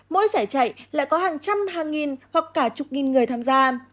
mỗi giải chạy lại có hàng trăm hàng nghìn hoặc cả chục nghìn người tham gia